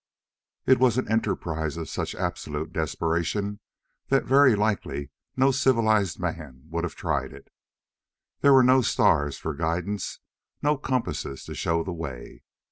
It was an enterprise of such absolute desperation that very likely no civilized man would have tried it. There were no stars, for guidance, nor compasses to show the way.